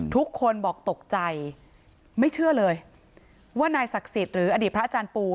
ทุกคนบอกตกใจไม่เชื่อเลยว่านายศักดิ์สิทธิ์หรืออดีตพระอาจารย์ปู